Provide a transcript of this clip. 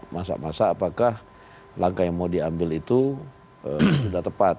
masa masa apakah langkah yang mau diambil itu sudah tepat